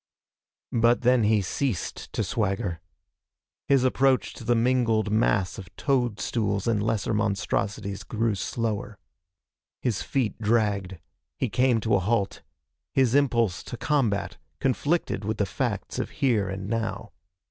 But then he ceased to swagger. His approach to the mingled mass of toadstools and lesser monstrosities grew slower. His feet dragged. He came to a halt. His impulse to combat conflicted with the facts of here and now.